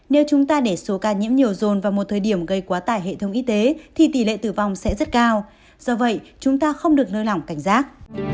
nếu chúng ta để số ca nhiễm nhiều dồn vào một thời điểm gây quá tải hệ thống y tế thì tỷ lệ tử vong sẽ rất cao do vậy chúng ta không được nơi lỏng cảnh giác